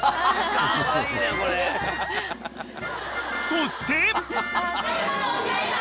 ［そして］